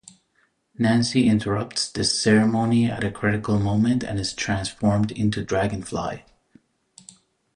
Nancy interrupts this ceremony at a critical moment and is transformed into Dragonfly.